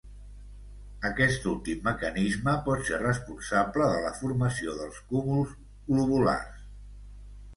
Aquest últim mecanisme pot ser responsable de la formació dels cúmuls globulars.